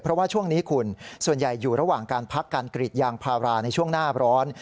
เพราะว่าช่วงนี้คุณส่วนใหญ่อยู่ระหว่างการพักการกรีดยางพาราในช่วงหน้าร้อน